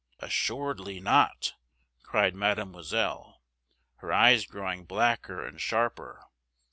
"Assuredly not!" cried Mademoiselle, her eyes growing blacker and sharper.